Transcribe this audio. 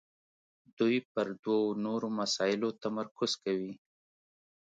دوی پر دوو نورو مسایلو تمرکز کوي.